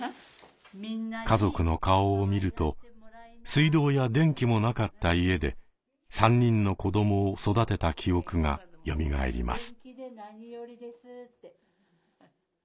家族の顔を見ると水道や電気もなかった家で３人の子どもを育てた記憶がよみがえります。